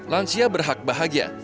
lansia berhak bahagia